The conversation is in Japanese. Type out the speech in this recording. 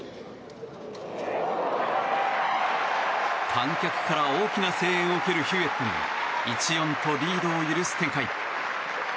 観客から大きな声援を受けるヒューエットに１−４とリードを許す展開。